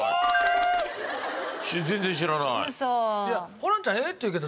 ホランちゃん「ええー！」って言うけど。